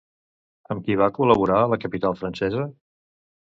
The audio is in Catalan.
Amb qui va col·laborar a la capital francesa?